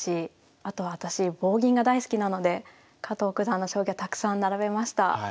あと私棒銀が大好きなので加藤九段の将棋はたくさん並べました。